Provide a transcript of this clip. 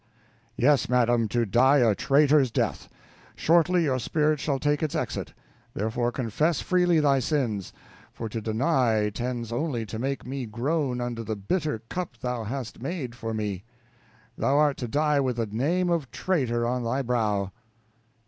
Yes, madam, to die a traitor's death. Shortly your spirit shall take its exit; therefore confess freely thy sins, for to deny tends only to make me groan under the bitter cup thou hast made for me. Thou art to die with the name of traitor on thy brow!